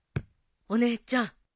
お姉ちゃん。